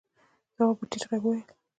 تواب په ټيټ غږ وويل: